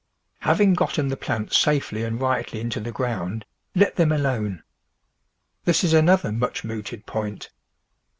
Having gotten the plants safely and rightly into the ground, let them alone. This is another much mooted point.